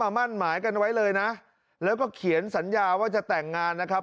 มั่นหมายกันไว้เลยนะแล้วก็เขียนสัญญาว่าจะแต่งงานนะครับ